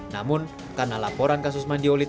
namun karena laporan kasus mandi oli terbangun